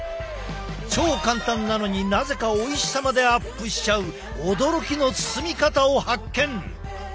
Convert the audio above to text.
超簡単なのになぜかおいしさまでアップしちゃう驚きの包み方を発見！